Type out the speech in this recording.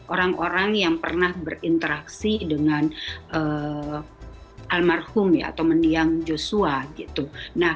orang orang yang pernah berinteraksi dengan almarhum atau mendiang yosua